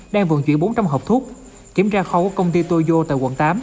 đang vận chuyển bốn trăm linh hộp thuốc kiểm tra khóa quốc công ty toyo tại quận tám